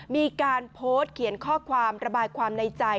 มีการโพสต์เขียนข้อความระบายความในใจ